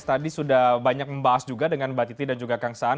tadi sudah banyak membahas juga dengan mbak titi dan juga kang saan